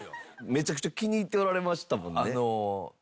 めちゃくちゃ気に入っておられましたもんね。